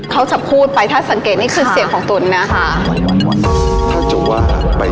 เขาจะพูดไปถ้าสังเกตนี่คือเสียงของตุ๋นนะคะ